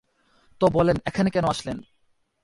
তো বলেন এখানে কেন আসলেন?